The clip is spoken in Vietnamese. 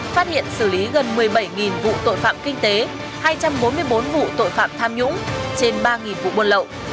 phát hiện xử lý gần một mươi bảy vụ tội phạm kinh tế hai trăm bốn mươi bốn vụ tội phạm tham nhũng trên ba vụ buôn lậu